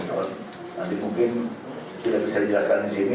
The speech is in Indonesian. nanti mungkin tidak bisa dijelaskan di sini